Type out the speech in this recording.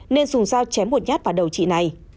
nên dùng dao chém một nhát vào đầu chị này